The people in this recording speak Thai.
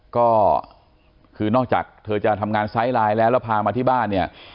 ก็คือนอกจากเธอจะทำงานไซส์ไลน์แล้วแล้วพามาที่บ้านเนี่ย